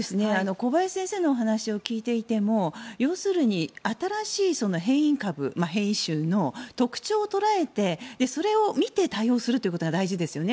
小林先生の話を聞いていても要するに新しい変異株、変異種の特徴を捉えて、それを見て対応するということが大事ですよね。